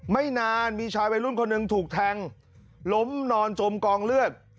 ไม่นานมีชายวัยรุ่นคนหนึ่งถูกแทงล้มนอนจมกองเลือด